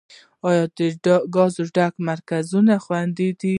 آیا د ګازو ډکولو مرکزونه خوندي دي؟